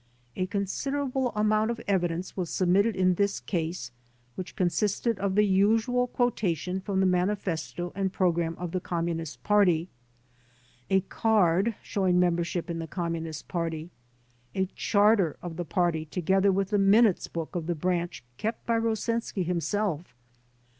A considerable amount of evidence was submitted in this case which consisted of the usual quotation from the Manifesto and Program of the Communist Party ; a card showing membership in the Communist Party ; a charter of the party together with the minutes book of the branch kept by Rosensky himself.